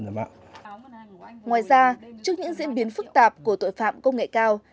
ngoài ra trước những diễn biến phức tạp của tội phạm công nghệ cao